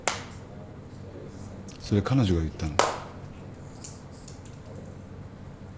それ彼女が言ったの？